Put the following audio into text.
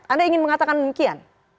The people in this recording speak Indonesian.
anda ingin mengatakan demikian